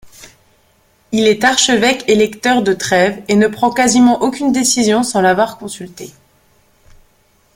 Il est archevêque-électeur de Trèves et ne prend quasiment aucune décision sans l'avoir consultée.